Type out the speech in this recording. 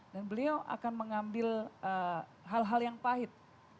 dan beliau akan mengambil hal hal yang pahit